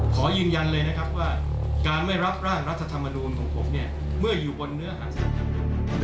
ขอยืนยันเลยนะครับว่าการไม่รับร่างรัฐธรรมนูลของผมเนี่ยเมื่ออยู่บนเนื้อหาสารธรรมนุน